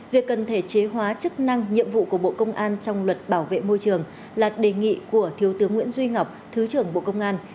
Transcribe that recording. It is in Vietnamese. việc cần thể chế hóa chức năng nhiệm vụ của bộ công an trong luật bảo vệ môi trường là đề nghị của thiếu tướng nguyễn duy ngọc thứ trưởng bộ công an